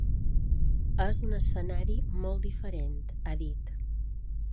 “És un escenari molt diferent”, ha dit.